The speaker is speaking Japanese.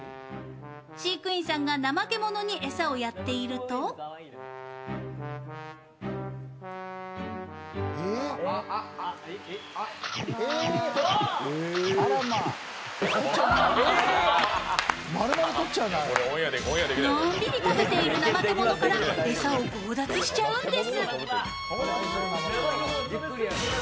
飼育員さんがナマケモノに餌をやっているとのんびり食べているナマケモノから餌を強奪しちゃうんです。